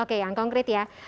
oke yang konkret ya